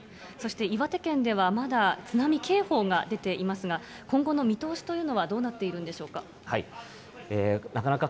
そして岩手県では、まだ津波警報が出ていますが、今後の見通しというのはどうなっているんでしょうか。